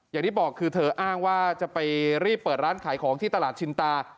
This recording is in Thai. อย่างที่บอกคือเธออ้างว่าจะไปรีบเปิดร้านขายของที่ตลาดชินตา